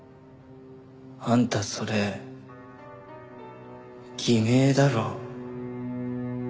あんたそれ偽名だろ？